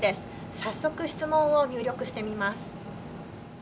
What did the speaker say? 早速、質問を入力してみます。